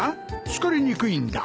疲れにくいんだ。